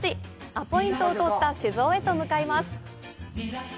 アポイントをとった酒造へと向かいます。